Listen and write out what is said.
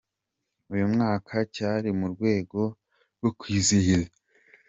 Uyu mwaka, cyari mu rwego rwo kwizihiza.